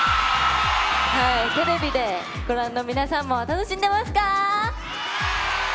テレビでご覧の皆さんも楽しんでますか！